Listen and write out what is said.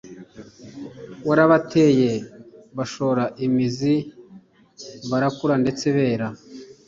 Warabateye bashora imizi barakura ndetse bera